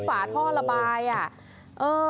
ฝาท่อระบายอ่ะ